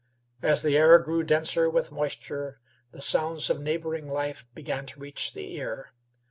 As the air grew denser with moisture, the sounds of neighboring life began to reach the ear.